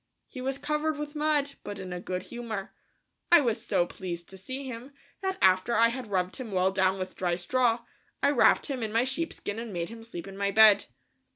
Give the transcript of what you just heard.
He was covered with mud, but in a good humor. I was so pleased to see him, that after I had rubbed him well down with dry straw, I wrapped him in my sheepskin and made him sleep in my bed.